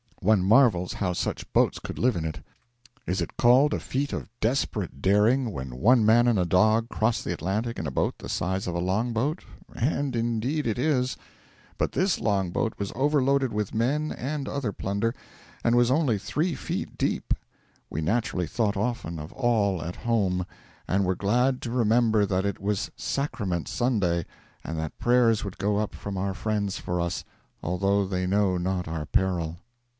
One marvels how such boats could live in it. Is it called a feat of desperate daring when one man and a dog cross the Atlantic in a boat the size of a long boat, and indeed it is; but this long boat was overloaded with men and other plunder, and was only three feet deep. 'We naturally thought often of all at home, and were glad to remember that it was Sacrament Sunday, and that prayers would go up from our friends for us, although they know not our peril.'